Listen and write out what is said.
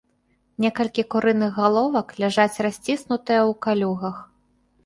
Некалькі курыных галовак ляжаць расціснутыя ў калюгах.